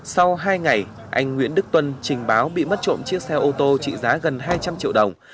sau hai ngày anh nguyễn đức tuân trình báo bị mất trộm chiếc xe ô tô trị giá gần hai trăm linh triệu đồng